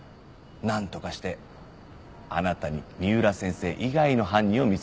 なんとかしてあなたに三浦先生以外の犯人を見つけてほしかった。